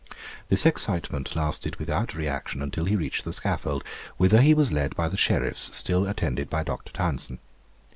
"' This excitement lasted without reaction until he reached the scaffold, whither he was led by the sheriffs, still attended by Dr. Tounson.